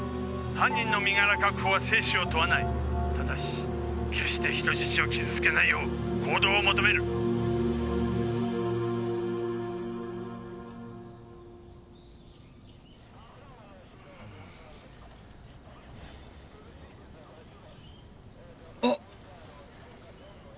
「犯人の身柄確保は生死を問わない」「ただし決して人質を傷つけないよう行動を求める」あっ！